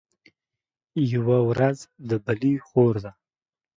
يوه ورځ د بلي خور ده.